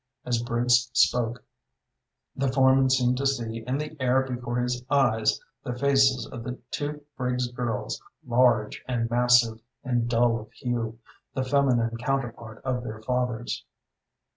As Briggs spoke, the foreman seemed to see in the air before his eyes the faces of the two Briggs girls, large and massive, and dull of hue, the feminine counterpart of their father's.